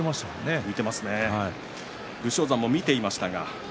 武将山も見ていましたか。